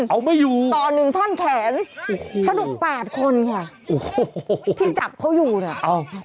เอาไม่อยู่ต่อ๑ท่อนแขนสนุก๘คนค่ะที่จับเขาอยู่เนี่ยโอ้โหโอ้โห